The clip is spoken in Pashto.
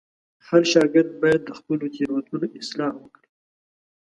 هر شاګرد باید د خپلو تېروتنو اصلاح وکړي.